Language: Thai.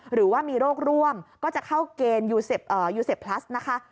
หรือว่ามีโรคร่วมก็จะเข้าเกณฑ์ยูเซฟพลัสนะคะ